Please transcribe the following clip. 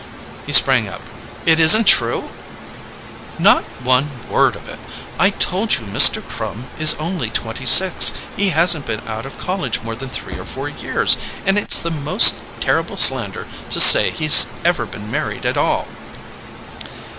He sprang up. "It isn't true?" "Not one word of it! I told you Mr. Crum is only twenty six. He hasn't been out of college more than three or four years, and it's the most terrible slander to say he's ever been married at all!"